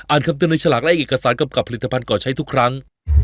คำเตือนในฉลากและเอกสารกำกับผลิตภัณฑ์ก่อใช้ทุกครั้ง